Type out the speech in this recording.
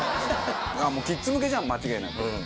もうキッズ向けじゃん間違いなく。